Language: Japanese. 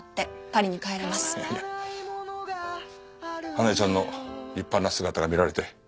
花絵ちゃんの立派な姿が見られて嬉しかった。